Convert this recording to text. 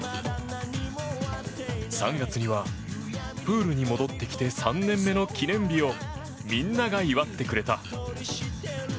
３月には、プールに戻ってきて３年目の記念日をみんなが祝ってくれた。